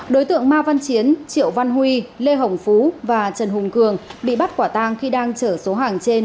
đối tượng ma văn chiến triệu văn huy lê hồng phú và trần hùng cường bị bắt quả tang khi đang chở số hàng trên